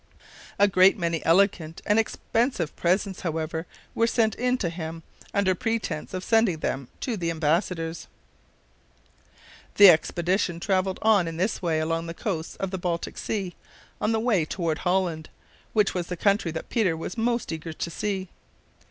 A great many elegant and expensive presents, however, were sent in to him, under pretense of sending them to the embassadors. The expedition traveled on in this way along the coasts of the Baltic Sea, on the way toward Holland, which was the country that Peter was most eager to see.